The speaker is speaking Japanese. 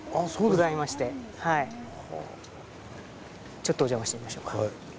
ちょっとお邪魔してみましょうか。